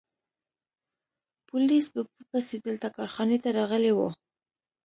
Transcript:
پولیس بیپو پسې دلته کارخانې ته راغلي وو.